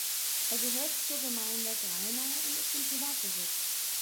Er gehört zur Gemeinde Grainau und ist im Privatbesitz.